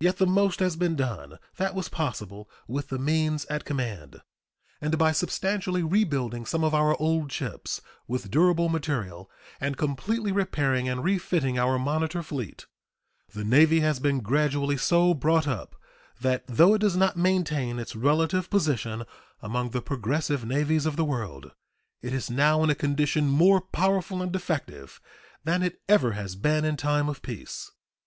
Yet the most has been done that was possible with the means at command; and by substantially rebuilding some of our old ships with durable material and completely repairing and refitting our monitor fleet the Navy has been gradually so brought up that, though it does not maintain its relative position among the progressive navies of the world, it is now in a condition more powerful and effective than it ever has been in time of peace.